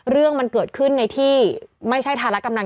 เรื่องมันเกิดขึ้นในที่ไม่ใช่ฐานะกำลัง